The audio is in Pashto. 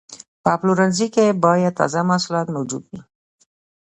په پلورنځي کې باید تازه محصولات موجود وي.